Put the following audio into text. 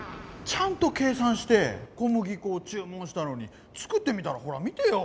ちゃんと計算してこむぎこをちゅう文したのに作ってみたらほら見てよ！